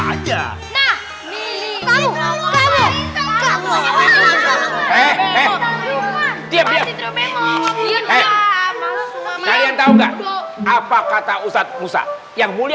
bukannya kalian malah ngasih tahu yang baik